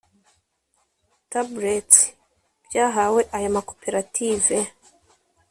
‘tablets’ byahawe aya makoperative